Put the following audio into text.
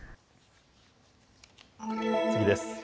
次です。